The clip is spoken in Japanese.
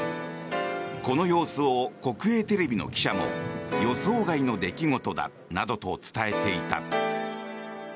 この様子を国営テレビの記者も予想外の出来事だなどと伝えていた。